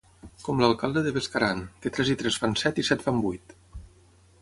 Com l'alcalde de Bescaran, que tres i tres fan set i set fan vuit.